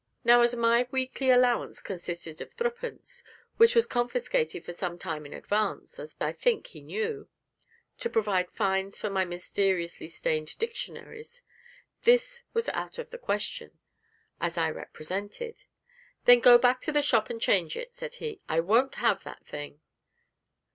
Now, as my weekly allowance consisted of threepence, which was confiscated for some time in advance (as I think he knew), to provide fines for my mysteriously stained dictionaries, this was out of the question, as I represented. 'Then go back to the shop and change it,' said he; 'I won't have that thing!'